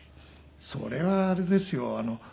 それはあれですよ。